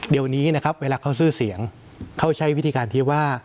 เดี๋ยวนี้นะครับเวลาเขาซื้อเสียงเขาใช้วิธีการที่ว่า